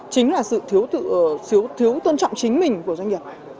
chính là sự thiếu thiếu tôn trọng chính mình của doanh nghiệp